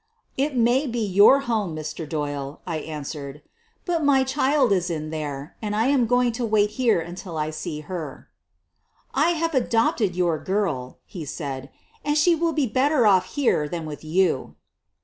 "It may be your home, Mr. Doyle," I answered, "but my child is in there, and I am going to wait here until I see her." "I have adopted your girl," he said, "and she will be better off here than with you.